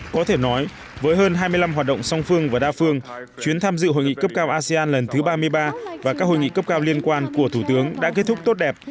có thể nói với hơn hai mươi năm hoạt động song phương và đa phương chuyến tham dự hội nghị cấp cao asean lần thứ ba mươi ba và các hội nghị cấp cao liên quan của thủ tướng đã kết thúc tốt đẹp